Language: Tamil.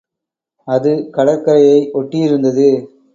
அது கடற்கரையை ஓட்டியிருந்தது.